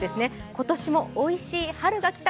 今年もおいしい春が来た！